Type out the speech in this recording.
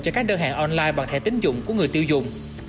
cho các đơn hàng online bằng thẻ tính dụng của người tiêu dùng